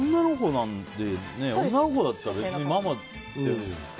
女の子だったら別にママでもね。